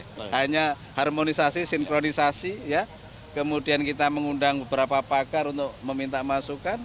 hanya harmonisasi sinkronisasi ya kemudian kita mengundang beberapa pakar untuk meminta masukan